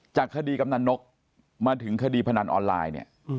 จากคดีกำนันนกมาถึงคดีพนันออนไลน์เนี่ย